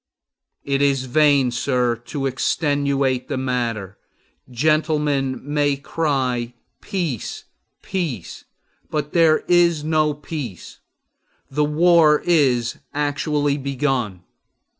It is in vain, sir, to extenuate the matter. Gentlemen may cry, Peace, peace! but there is no peace. The war is actually begun!